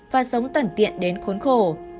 và sống tẩn tiện đến khốn khổ